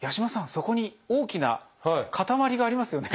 そこに大きな固まりがありますよね？